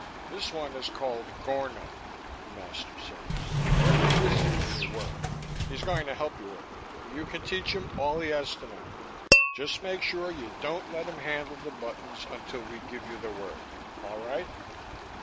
"This one is called Gornom," the master said. "He'll be with you when you work. He's going to help you work you can teach him all he has to know. Just make sure you don't let him handle the buttons until we give you the word. All right?"